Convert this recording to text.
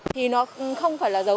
thì nó không phải là dấu